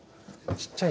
ちっちゃい。